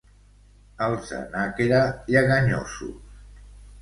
Els de Nàquera, lleganyosos.